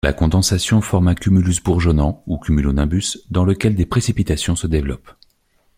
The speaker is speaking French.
La condensation forme un cumulus bourgeonnant ou cumulonimbus dans lequel des précipitations se développent.